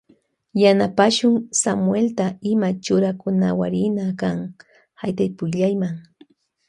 Yanapashun Samuelta ima churakunawarina kan haytaypukllayma.